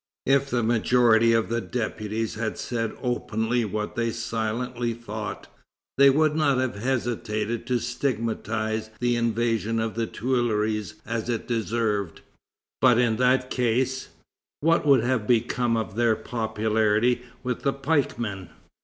If the majority of the deputies had said openly what they silently thought, they would not have hesitated to stigmatize the invasion of the Tuileries as it deserved. But in that case, what would have become of their popularity with the pikemen?